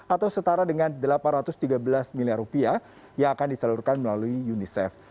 atau setara dengan delapan ratus tiga belas miliar rupiah yang akan disalurkan melalui unicef